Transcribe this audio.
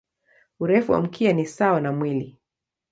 Urefu wa mkia ni sawa na mwili.